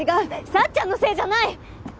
幸ちゃんのせいじゃない！